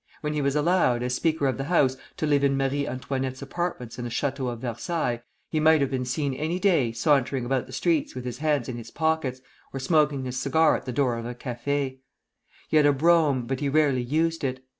When he was allowed, as Speaker of the House, to live in Marie Antoinette's apartments in the Château of Versailles, he might have been seen any day sauntering about the streets with his hands in his pockets, or smoking his cigar at the door of a café. He had a brougham, but he rarely used it.